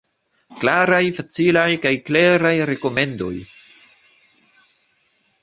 Klaraj, facilaj kaj kleraj rekomendoj.